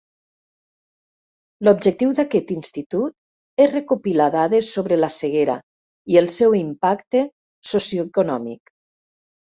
L'objectiu d'aquest institut és recopilar dades sobre la ceguera i el seu impacte socioeconòmic.